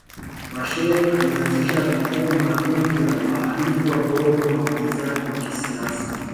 Machel alianzisha vituo maalumu vya wahalifu wadogo na wapinzani wa kisiasa